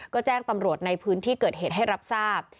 ก็แจ้งตำรวจในพื้นที่เกิดเหตุให้รับทราบ